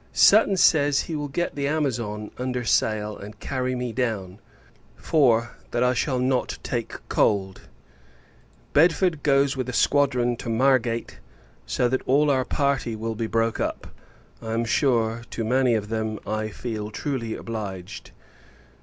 Sutton says, he will get the Amazon under sail, and carry me down; for, that I shall not take cold: Bedford goes with a squadron to Margate; so that all our party will be broke up. I am sure, to many of them, I feel truly obliged.